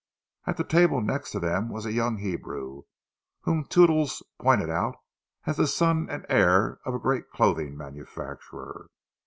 At the table next to them was a young Hebrew, whom Toodles pointed out as the son and heir of a great clothing manufacturer.